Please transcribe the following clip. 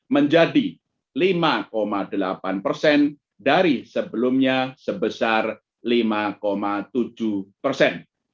menjadi lima delapan persen dari sebelumnya sebesar lima tujuh persen